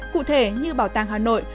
cụ thể như bảo tàng hà nội